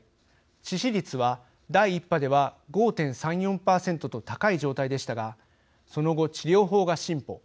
致死率は第１波では５．３４％と高い状態でしたがその後、治療法が進歩。